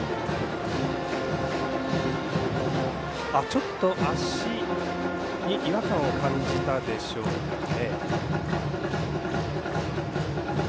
ちょっと足に違和感を感じたでしょうかね。